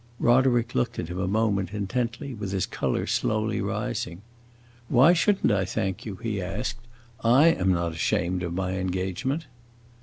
Roderick looked at him a moment, intently, with his color slowly rising. "Why should n't I thank you?" he asked. "I am not ashamed of my engagement."